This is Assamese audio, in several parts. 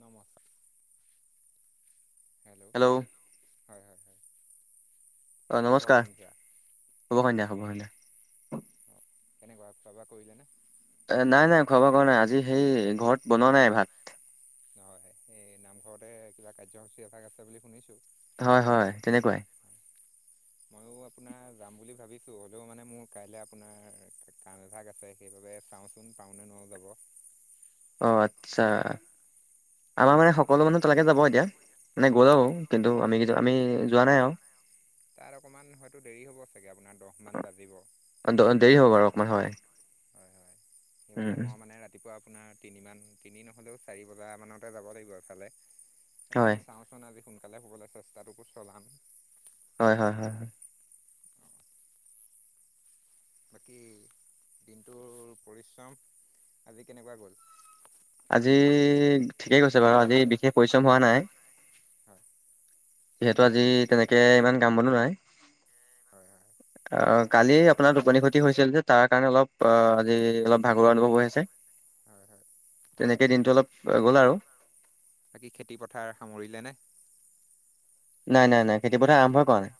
নমস্কাৰ হেল্ল' হয় হয়। অ নমস্কাৰ। শুভ সন্ধিয়া শুভ সন্ধিয়া। কেনেকুৱা? খোৱা বোৱা কৰিলে নে? এ নাই নাই খোৱা বোৱা কৰা নাই, আজি হেৰি ঘৰত বনোৱা নাই ভাত। হয়। এই নামঘৰতে কিবা কাৰ্যসূচী এভাগ আছে বুলি শুনিছো। হয় হয় তেনেকুৱাই। ময়ো আপোনাৰ যাম বুলি ভাবিছোঁ, হ'লেও মানে মোৰ কাইলৈ আপোনাৰ কাম এভাগ আছে সেইবাবে চাওঁ চাওঁচোন পাৰু নে নোৱাৰো যাব। অ আচ্ছা। আমাৰ মানে সকলো মানুহ তালেকে যাব এতিয়া মানে গল আৰু কিন্তু আমি যোৱা নাই আৰু। তাত অকমান হয়তো দেৰি হ'ব চাগে আপোনাৰ দহ মান বাজিব। নহয় উম উম। আপোনাৰ তিনিমান তিনি নহলেও চাৰি বজাৰ মানতে যাব লাগিব ইফালে। সেইটো কাৰণে চাওঁচোন আজি সোনকালে শুবলৈ চেষ্টাটো চলাম। হয় হয় হয় হয়। বাকি দিনটোৰ পৰিশ্ৰম আজি কেনেকুৱা গ'ল? আজি ঠিকেই গৈছে বাৰু আজি বিশেষ পৰিশ্ৰম হোৱা নাই। যিহেতু আজি তেনেকে ইমান কাম বনো নাই। আহ কালি আপোনাৰ টোপনি খতি হৈছিল যে তাৰ কাৰণে অলপ অ আজি অলপ ভাগৰুৱা অনুভৱ হৈ আছে। হয় হয় তেনেকে দিনটো অলপ গ'ল আৰু। বাকি খেতি পথাৰ সামৰিলে নে? নাই নাই নাই খেতিপথাৰ আৰম্ভই কৰা নাই।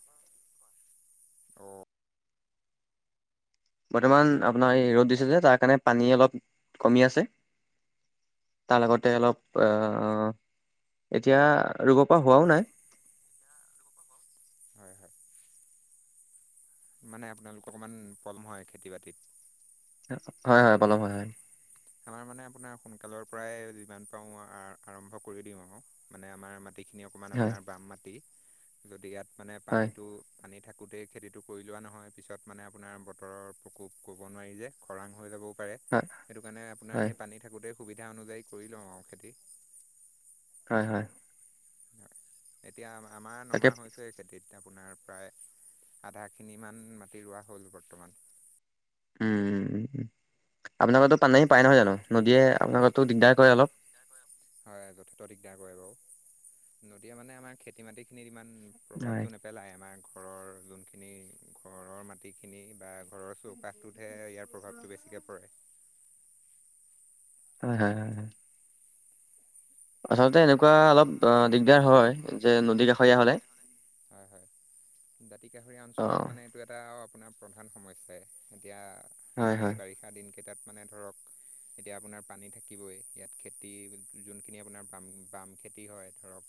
বৰ্তমান আপোনাৰ এই ৰ'দ দিছে যে তাৰ কাৰণে পানী অলপ কমি আছে। তাৰ আগতে অলপ অহ- এতিয়া ৰুব পৰা হোৱাও নাই। মানে আপোনালোক অকমান পলম হয় খেতি বাতিত হয় হয় পলম হয় হয় আমাৰ মানে আপোনাৰ সোনকালৰ পৰাই যিমান পাও আৰম্ভ কৰি দিম আৰু মানে আমাৰ মাটি সেখিনি অকমান আপোনাৰ বাম মাটি যদি ইয়াত মানে পানীটো পানীত থাকোতেই খেতিটো কৰি লোৱা নহয় পিছত মানে আপোনাৰ বতৰৰ প্ৰকোপ ক'ব নোৱাৰি যে খৰাং হৈ যাব হয় সেইকাৰণে আপোনাৰ সেই পানী থাকোতে সুবিধা অনুযায়ী কৰি লও আও খেতি হয় হয় এতিয়া আমাৰ নমা হৈছে এই খেতিত আপোনাৰ প্ৰায় আধাখিনিমান মাটি ৰোৱা হ'ল বৰ্তমান উম উম উম উম আপোনালোকৰটো পানী পায় নহয় জানো নদীয়ে আপোনালোকৰটো দিগদাৰ কৰে অলপ হয় যথেষ্ট দিগদাৰ কৰে বাৰু নদীয়ে মানে আমাৰ খেতি মাটি খিনিত ইমান প্ৰভাৱটো নেপেলাই আমাৰ ঘৰৰ যোনখিনি ঘৰৰ মাটিখিনি বা ঘৰৰ চোক কাশটোতহে ইয়াৰ প্ৰভাৱতো বেছিকে পৰে হয় হয় হয় আচলতে এনেকোৱা অলপ দিগদাৰ হয় যে নদী কাষৰীয়া হলে হয় হয় দাঁতিকাষৰীয়া অঞ্চলত মানে এইটো এটা আপোনাৰ প্ৰধান সমস্যাই এতিয়া আমাৰ এই বাৰিষা দিনকেইটাত মানে ধৰক এতিয়া আপোনাৰ পানী থাকিবই ইয়াত খেতি যোনখিনি আপোনাৰ বাম বাম খেতি হয় ধৰক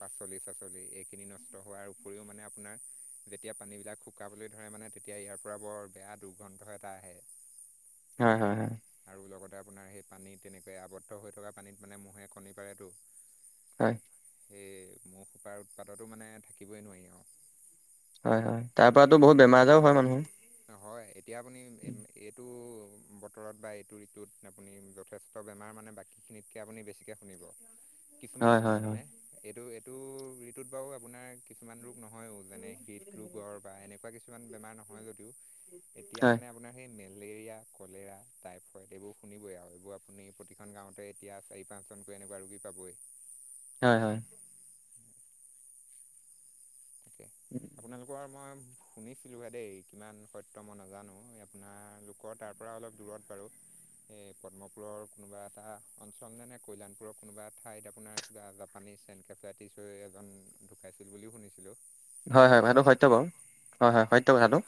পাচলি চাচলি এইখিনি নষ্ট হোৱাৰ উপৰিও মানে আপোনাৰ যেতিয়া পানী বিলাক শুকাবলৈ ধৰে মানে তেতিয়া ইয়াৰ পৰা বৰ বেয়া দুৰ্গন্ধ এটা আহে হয় হয় লগতে আপোনাৰ সেই পানী তেনেকে আৱদ্ধ হৈ থকা পানীত মানে মহে কণী পাৰেতো হয় সেই মোৰ শোকাৰ উৎপাততো মানে থাকিবই নোৱাৰি আৰু হয় হয় তাৰ পৰাতো বহুত বেমাৰ আজাৰো হয় মানুহৰ হয় এতিয়া আপুনি এইটো বতৰত বা এইটো ঋতুত আপুনি যথেষ্ট বেমাৰ মানে বাকী খিনিতকে আপুনি বেছিকে শুনিব কিছুমান বেমাৰ মানে এইটো এইটো ঋতুত বাৰু আপোনাৰ কিছুমান ৰোগ নহয়ও যেনে হৃদ ৰোগৰ বা এনেকোৱা কিছুমান বেমাৰ নহয় যদিও এতিয়া মানে আপোনাৰ সেই মেলেৰিয়া কলেৰা টাইফইড এইবোৰ শুনিবই আৰু এইবোৰ আপুনি প্ৰতিখন গাওতে এতিয়া চাৰি পাঁচ নকৈ এনেকোৱা ৰোগী পাবই হয় হয় আপোনালোকৰ মই শুনিছিলো হে দেই কিমান সত্য মই নাজানো আপোনালোকৰ তাৰ পৰা অলপ দূৰত বাৰু এ পদ্মপুৰৰ কোনোবা এটা অঞ্চল নে কল্যাণপুৰৰ কোনোবা ঠাইত আপোনাৰ কিবা জাপানী হেপাটাইটিছ হৈ এজন ঢুকাইছিল বুলিও শুনিছো। হয় হয় কথাটো সত্য বাৰু হয় হয় সত্য কথাটো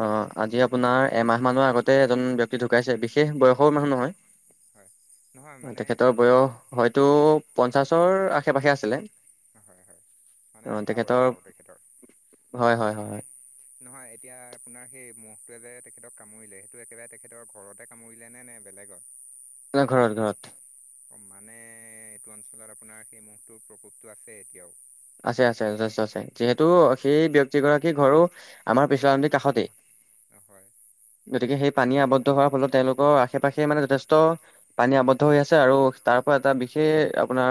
অ আজি আপোনাৰ এমাহ মানৰ আগতে এজন ব্যক্তি ঢুকাইছে বিশেষ বয়সৰ মানুহ নহয় তেখেতৰ বয়স হয়তো পঞ্চাশৰ আশে পাশে আছিলে হয় হয় মানে আধা ব হয় হয় হয় হয় নহয় এতিয়া আপোনাৰ সেই মহটোৱে যে তেখেতক কামুৰিলে সেইটো একেবাৰে তেখেতৰ ঘৰতে কামুৰিলে নে নে বেলেগ বেলেগত না ঘৰত ঘৰত অ মানে এইটো অঞ্চলত আপোনাৰ সেই মহটোৰ প্ৰকোপটো আছে এতিয়াও আছে আছে যথেষ্ট আছে যিহেতু সেই ব‌্যক্তি গৰাকী ঘৰো আমাৰ পিছিৰ কাষতেই অ হয়। গতিকে সেই পানী আৱদ্ধ হোৱাৰ ফলত তেওঁলোকৰ আশে পাশে মানে যথেষ্ট পানী আৱদ্ধ হৈ আছে আৰু তাৰ পৰা এটা বিশেষ আপোনাৰ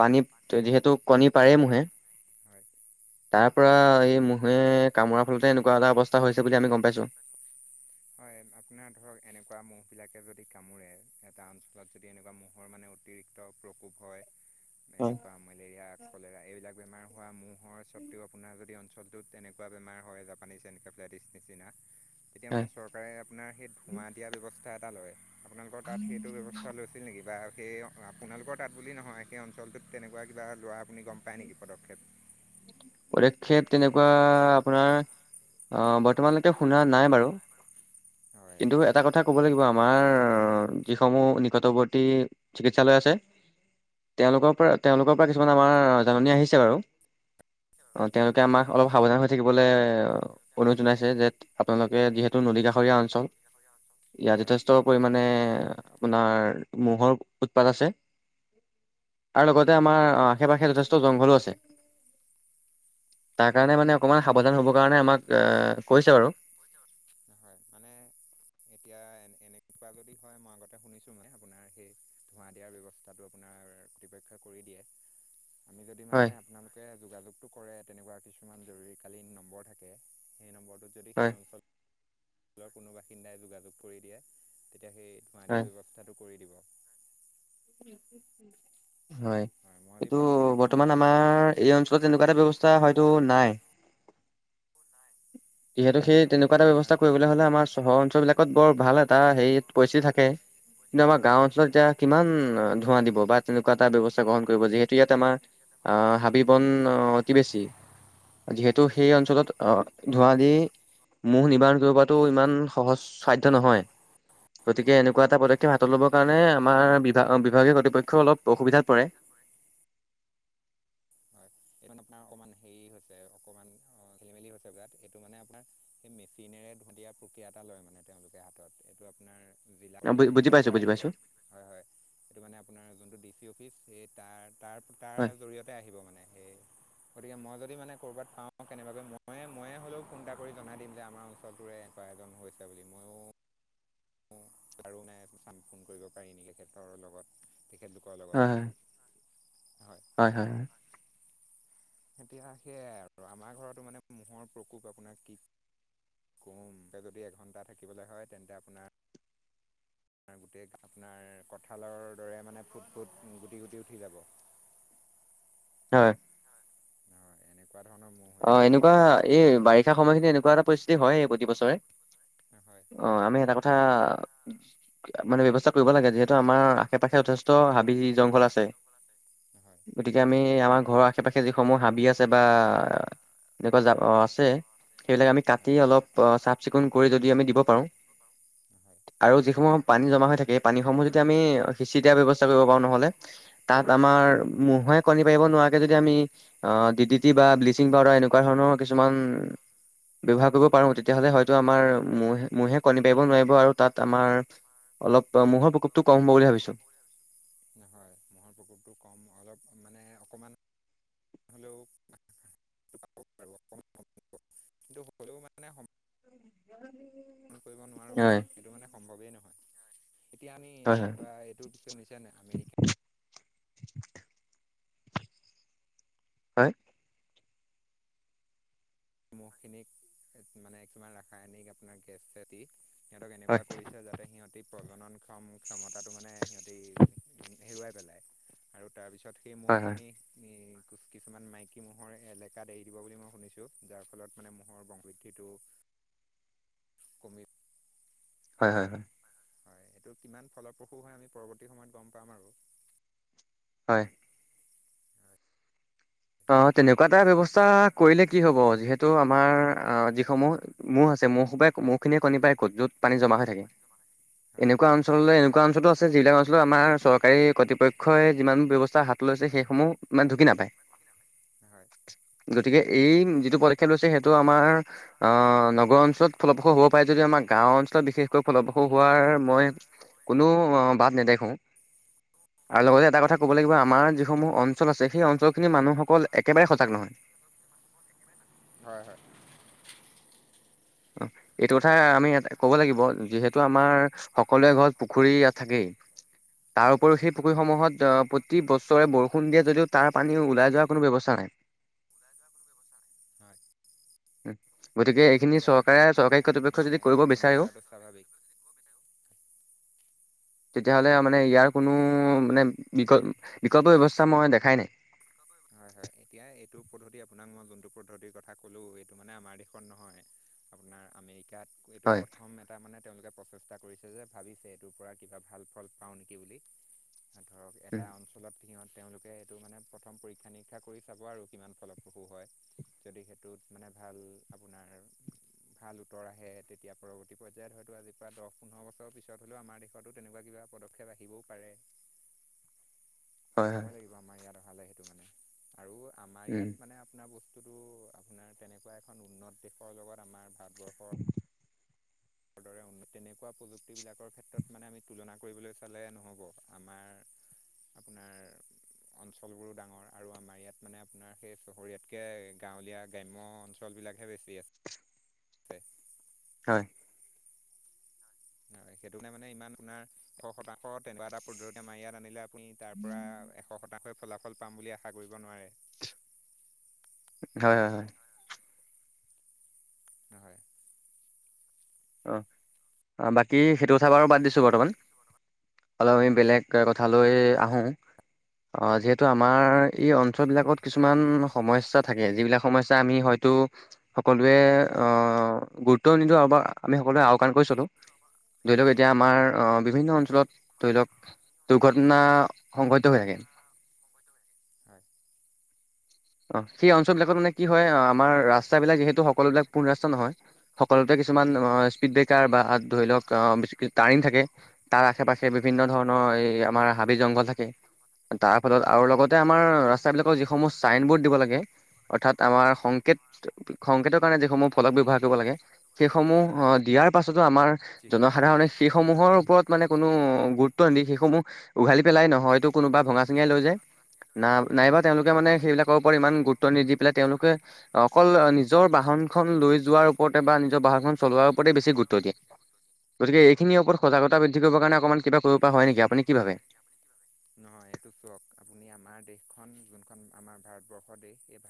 পানীত যিহেতু কণী পাৰে। পোহে তাৰ পৰা এই মহে কামোৰা ফলতে হয় আপোনাৰ ধৰক এনেকুৱা মহ বিলাকে য যদি কামোৰে এটা অঞ্চলত যদি এনেকুৱা মহৰ মানে অতিৰিক্ত প্ৰকোপ হয়। এনেকুৱা মেলেৰিয়া কলেৰা এইবিলাক বেমাৰ হোৱা মহৰ স্বব্বেও আপোনাৰ যদি অঞ্চ আচলতে এনেকোৱা বেমাৰ হয় জাপানীচ এনকেফ্লাইটিছ নিচিনা। তেতিয়া মানে চৰকাৰে আপোনাৰ সেই ধোঁৱা দিয়া ব্যৱস্থা এটা লয়। আপোনালোকৰ তাত সেইটো ব্যৱস্থা লৈছিল নেকি বা সেই আপোনালোকৰ তাত বুলি নহয় সেই অঞ্চলটোত তেনেকোৱা কিবা লোৱা আপুনি গম পায় নিকি পদক্ষেপ ক্ষেপ তেনেকুৱা আপোনাৰ অ বৰ্তমানলৈকে শুনা নাই বাৰু [inaudible] কিন্তু এটা কথা ক'ব লাগিব আমাৰ যিসমূহ নিকটবৰ্তী চিকিৎসালয় আছে। তেওঁলোকৰ পৰা তেওঁলোকৰ পৰা কিছুমান আমাৰ জাননী আহিছে বাৰু অ তেওঁলোকে আমাক অলপ সাৱধান হৈ থাকিবলৈ অনুৰোধ জনাইছে যে আপোনালোকে যিহেতু এইটো নদী কাষৰীয়া অঞ্চল ইয়াত যথেষ্ট পৰিমাণে আপোনাৰ মৰ উৎপাত আছে আৰু লগতে আমাৰ আশে পাশে যথেষ্ট জংঘলো আছে। তাৰ কাৰণে মানে অকণমান সাৱধান হ'বৰ কাৰণে আমাক কৈছে বাৰু [inaudible] এতিয়া এ এনেকুৱা যদি হয় মই আগতে শুনিছো মানে মই আপোনাৰ সেই ধোঁৱা দিয়াৰ ব্যৱস্থাটো আপোনাৰ- তাৰ ব্যৱস্থা কৰি দিয়ে। [inaudible] আমি যদি মানে আপোনালোকে যোগাযোগতটো কৰে তেনেকুৱা কিছুমান জৰুৰীকালীন নম্বৰ থাকে সেই নম্বৰটোত হয়। কোনো বাসিন্দাই যোগাযোগ কৰি দিয়ে তেতিয়া সেই ধোঁৱা দিয়া ব্যৱস্থাটো হয়। এইটো বৰ্তমান আমাৰ এই অঞ্চলত এনেকুৱা এটা ব্যৱস্থা হয়তো নাই। যিহেতু সেই তেনেকুৱা এটা ব্যৱস্থা কৰিবলৈ হলে আমাৰ চহৰ অঞ্চলবিলাকত বৰ ভাল এটা হেৰি পৰিস্থিতি থাকে। কিন্তু আমাৰ গাও অঞ্চলত এতিয়া কিমান ধোঁৱা দিব বা তেনেকুৱা এটা ব্যৱস্থা গ্ৰহণ কৰিব যিহেতু ইয়াত আমাৰ আহ হাবি বন অতি বেছি যিহেতু সেই অঞ্চলত আহ ধোঁৱা দি মহ নিবাৰণ কৰিবাতো ইমান সহজ সাধ্য নহয়। গতিকে এনেকুৱা এটা পদক্ষেপ হাতত ল'বৰ কাৰণে আমাৰ বিভাগ বিভাগীয় কৰ্তৃপক্ষ অলপ অসুবিধাত পৰে। এইটো আপোনাৰ অকণমান হেৰি হৈছে অকমান অ খেলিমেলি হৈছে ভবাত এইটো মানে আপোনাৰ সেই মেচিনেৰে ধন্দিয়া প্ৰক্ৰিয়া এটা লয় মানে তেওঁলোকে হাতত এইটো আপোনাৰ জিলা কৰ্তৃপক্ষৰ পৰা আহিব হয় হয় এইটো মানে আপোনাৰ যোনটো চি অফিচ সে তাৰ তাৰ তাৰ জৰিয়তে আহিব মানে গতিকে মই যদি মানে ক'ৰবাত পাওঁ কেনেবাকৈ ময়ে ময়ে হ'লেও ফোন এটা কৰি জনাই দিম যে আমাৰ অঞ্চলটোৰে। [unintelligible] কাৰো নাই চাম ফোন কৰিব পাৰি নি তেখেতৰ লগত। তেখেতলোকৰ লগত। হয় হয় হয়। এতিয়া সেয়াই আৰু আমাৰ ঘৰতো মানে মৰ প্ৰকোপ আপোনাৰ কি? কোমক যদি এঘণ্টা থাকিবলৈ হয় তেন্তে আপোনাৰ। [unintelligible] আাৰ গোটেই আপোনাৰ কঁঠালৰ দৰে মানে ফুট ফুট গুটি গুটি উঠি যাব। হয়। অ এনেকুৱা এই বাৰিষা সময়খিনি এনেকুৱা এটা পৰিস্থিতি হয় প্ৰতি বছৰে। অ আমি এটা কথা। মানে ব্য্ৱস্থা কৰিব লাগে যিহেতু আমাৰ আশে পাশে যথেষ্ট হাবি জংঘল আছে। গতিকে আমি আমাৰ ঘৰৰ আশে পাশে যিসমূহ হাবি আছে বা। দেখুৱাই যাব অছ কেলে আমি কাটি আমি অলপ চাফ চিকুণ কৰি দিব পাৰোঁ আৰু যিসমূহ পানী জমা হৈ থাকে পানীসমূহ যদি আমি সিঁচি দিয়া ব্যৱস্থা কৰিব পাৰো নহলে তাত আমি। আমাৰ ম'হে কণি পাৰিব নোৱাৰাকে যদি আমি অঁহ ডিডিটি বা ব্লেচিং এনেকুৱা ধৰণৰ কিছুমান ব্যৱহাৰ কৰিব পাৰো তেতিয়াহ'লে হয়তো আমাৰ মহে মহে কণী পাৰিব নোৱাৰিব আৰু তাত আমাৰ অলপ মৰ প্ৰকোপটো কম হ'ব বুলি ভাবিছো। হ মহৰ প্ৰকোপটো কম অলপ। অকণমান হ'লেও। কিন্তু হ'লেও মানে। ণ কৰিব নোৱাৰোঁ সেইটো মানে সম্ভৱেই নহয়। এতিয়া আমি এনেকুৱা এইটোৰ বিষয়ে শুনিছেনে আমেৰিকা। হয়। সমূহখিনিক মানে কিছমান ৰাসায়নিক আপোনাৰ গেছ চট। সিহঁতক এনেকুৱা কৰিছে যাতে সিহঁতি প্ৰজনন কম ক্ষমতা। ত মানে সিহঁতি হেৰুৱাই পেলাই আৰু তাৰপিছত সেই মুখখিনি। কিছুমান মাইকী ম'হৰ এলেকাত এৰি দিব বুলি মই শুনিছোঁ। যাৰ ফলত মানে মৰ বং বৃদ্ধিটো কমি। হয় হয় হয়। হয় এইটো কিমান ফলপ্ৰসূ হয় আমি পৰৱৰ্তী সময়ত গম পাম আৰু হয়। অ তেনেকুৱা এটা ব্যৱস্থা কৰিলে কি হব যিহেতু আমাৰ আহ যিসমূহ মূহ আছ- মহসোপাই মহখিনে কণী পাৰে ক'ত য'ত পানী জমা হৈ থাকে। এনেকুৱা অঞ্চললৈ এনেকুৱা অঞ্চলো আছে যিবিলাক অঞ্চলত আমাৰ চৰকাৰী কৰ্তৃপক্ষই যিমান ব্যৱস্থা হাত লৈছে সেইসমূহ ইমান ঢুকি নাপায়। গতিকে এই যিটো পদ- খেল হৈছে সেইটো আমাৰ আহ নগৰ অঞ্চলত ফলপ্ৰস হ'ব পাৰে যদি আমাৰ গাও অঞ্চলত বিশেষকৈ ফলপ্ৰস হোৱাৰ মই কোনো বাট নেদেখো আৰু লগতে এটা কথা কব লাগিব আমাৰ যিসমূহ অঞ্চল আছে সেই অঞ্চল। খিনি মানুহসকল একেবাৰে সজাগ নহয়। অ এইটো কথা আমি ক'ব লাগিব যিহেতু আমাৰ সকলোৰে ঘৰত পুখুৰীত থাকেই। [unintelligible] তাৰ উপৰিও সেই পুখুৰীসমূহত আহ প্ৰতি বছৰে বৰষুণ দিয়ে যদিও তাৰ পানী ওলাই যোৱাৰ কোনো ব্যৱস্থা নাই। গতিকে এইখিনি চব চৰকাৰী কৰ্তৃপক্ষই যদি কৰিব বিচাৰেও তেতিয়া হ'লে মানে ইয়াৰ কোনো মানে বিকল বিকল্প ব্যৱস্থা মই দেখাই নাই। হয় হয় এতিয়া এইটো পদ্ধতি আপোনাক মই যোনটো পদ্ধতিৰ কথা ক'লো এইটো মানে আমাৰ দেশত নহয় আপোনাৰ আমেৰিকাত এইটো প্ৰথম এটা মানে তেওঁ- প্ৰচেষ্টা কৰিছে যে ভাবিছে এইটোৰ পৰা কিবা ভাল ফল পাও নেকি বুলি ধৰক এটা অঞ্চলত সিহঁত তেওঁলোকে এইটো মানে প্ৰথম পৰী- ৰীক্ষা নিৰিক্ষা কৰি চাব আৰু কিমান ফলপ্ৰসু হয়। যদি সেইটোত মানে ভাল আপোনাৰ ভাল উত্তৰ আহ তেতিয়া পৰৱৰ্তী পৰ্যায়ত হয়তো আজ পৰা দহ পোন্ধৰ বছৰ পিছত হলেও আমাৰ দেশতো তেনেকুৱা কিবা পদক্ষেপ আহিবওঁ পাৰে। [inaudible] সময় লাগিব আমাৰ ইয়াত অহালে সেইটো মানে আৰু আমাৰ ইয়াত মানে আপোনাৰ বস্তু টোতো আপোনাৰ তেনেকুৱা এখন উন্নত দেশৰ লগত আমাৰ ভাৰত। [inaudible] [inaudible] তেনেকুৱা প্ৰযুক্তি বিলাকৰ ক্ষেত্ৰত মানে আমি তুলনা কৰিবলৈ চালে নহব। আমাৰ আপোনাৰ অঞ্চল বোৰো ডাঙৰ আৰু আমাৰ ইয়াত মানে আপোনাৰ সেই চহৰীয়াতকে গাঁৱলীয়া গ্ৰাম্য অঞ্চল [unintelligible] হয়। ন, সেইটো কাৰণে মানে ইমান আপোনাৰ শশ শতাংশ তেনেকুৱা এটা পদ্ধতি মাৰি ইয়াত আনিলে- আপুনি তাৰ পৰা এশ শতাংশই ফলাফল পাম বুলি আশা কৰিব নোৱাৰে। হয় হয় হয়। হয় হয় অ, বাকী সেইটো কথা বাৰু বাদ দিছো বৰ্তমান। অলপ আমি বেলেগ কথা লৈ আহো। অ, যিহেতু আমাৰ এই অঞ্চল বিলাকত কিছুমান সমস্যা থাকে যিবিলাক সমস্যা আমি হয় টো সকলোৱে অ গুৰুত্ব নিদো আও বা আমি সকলোৱে আওকাণ কৰি চলো। ধৰি লওক এতিয়া আমাৰ অ বি- বিভিন্ন অঞ্চলত ধৰি লওক দুৰ্ঘটনা সংঘটিত হৈ থাকে। [inaudible] অ, সেই অঞ্চল বিলাকৰ মানে কি হয় আমাৰ ৰাস্তাক যিহেতু সকলো পুন ৰাস্তা নহয়। সকলোতে কিছুমান স্পিদ বেকাৰ বা ধৰি লওক আহে টাৰিং থাকে। তাৰ আশে-পাশে বিভিন্ন ধৰণৰ এই আমাৰ হাবি জংঘল থাকে। তাৰ ফলত আৰু লগতে আমাৰ ৰাস্তা বিলাকৰ যিসমূহ চাইন বোৰ্ড দিব লাগে অৰ্থাৎ, সংকেত সংকেতৰ কাৰণে যিসমূহ ফলক ব্যৱহাৰ কৰিব লাগে, সেইসমূহ আহ দিয়াৰ পাছ- আমাৰ জনসাধাৰণে সেই সমূহৰ ওপৰত মানে কোনো গুৰুত্ব নিদি সেইসমূহ উঘালি পেলাই নহয় হয়তো কোনোবা ভঙা চিঙাই লৈ যায়। না নাইবা তেওঁলোকে মানে সেইবিলাকৰ ওপৰত ইমান গুৰুত্ব নিদি পেলাই তেওঁলোকে অকল নিজৰ বাহনখন লৈ যোৱাৰ ওপৰতে বা নিজৰ বাহন খন চলোৱা ওপৰত বেছি গুৰুত্ব দিয়ে। সজাগতা বৃদ্ধিৰ কৰিব কাৰণ অকমান কিবা কৰিব পৰা হয় নেকি আৰু। নহয় এইটো চখক আপুনি আমাৰ দেশ খন যোনখন আমাৰ ভাৰতবৰ্ষৰ দেশ এই